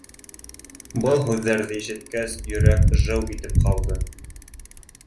Был һүҙҙәрҙе ишеткәс, йөрәк жыу итеп ҡалды.